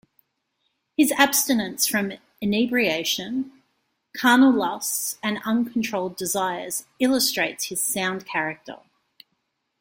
His abstinence from inebriation, carnal lusts, and uncontrolled desires illustrates his sound character.